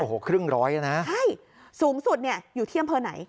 โอ้โหครึ่งร้อยนะใช่สูงสุดเนี่ยอยู่ที่อำเภอไหน